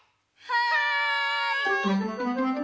はい！